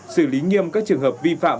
xử lý nghiêm các trường hợp vi phạm